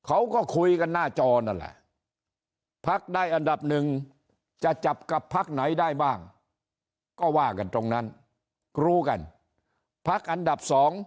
อันดับหนึ่งจะจับกับพรรคไหนได้บ้างก็ว่ากันตรงนั้นรู้กันพรรคอันดับ